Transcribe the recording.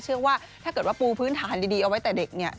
เชื่อว่าถ้าเกิดว่าปูพื้นฐานดีเอาไว้แต่เด็กเนี่ย